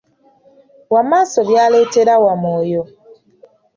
Wamaaso byaleetera Wamwoyo.